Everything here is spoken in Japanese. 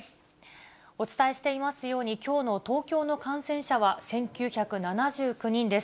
お伝えしていますように、きょうの東京の感染者は１９７９人です。